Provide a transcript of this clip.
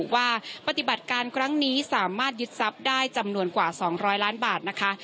ว่าปฏิบัติการครั้งนี้สามารถยึดทรัพย์ได้จำนวนกว่า๒๐๐ล้านบาทนะคะ